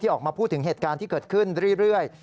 ออกมาพูดถึงเหตุการณ์ที่เกิดขึ้นเรื่อย